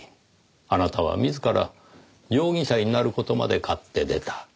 あなたは自ら容疑者になる事まで買って出た。